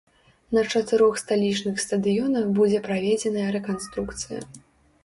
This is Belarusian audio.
На чатырох сталічных стадыёнах будзе праведзеная рэканструкцыя.